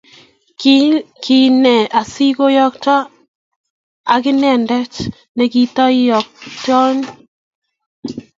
Kiine asigoyokta agitainendet nigitayoktoi